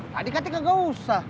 tadi katanya kagak usah